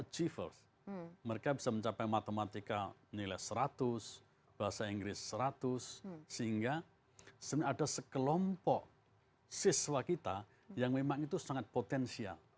terima kasih pak menteri